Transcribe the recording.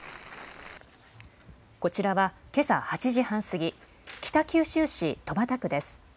こちらはけさ８時半過ぎ、北九州市戸畑区です。